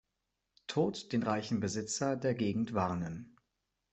Toad, den reichen Besitzer der Gegend, warnen.